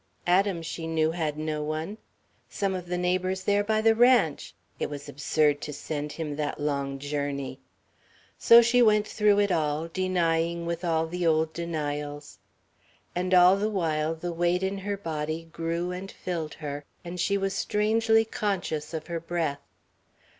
Adam, she knew, had no one. Some of the neighbours there by the ranch ... it was absurd to send him that long journey ... so she went through it all, denying with all the old denials. And all the while the weight in her body grew and filled her, and she was strangely conscious of her breath.